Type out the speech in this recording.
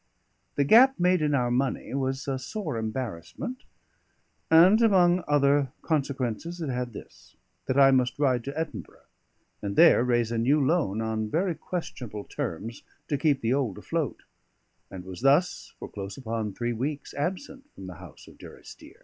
The gap made in our money was a sore embarrassment, and, among other consequences, it had this: that I must ride to Edinburgh, and there raise a new loan on very questionable terms to keep the old afloat; and was thus, for close upon three weeks, absent from the house of Durrisdeer.